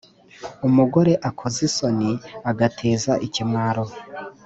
umugore akoza isoni, agateza ikimwaro.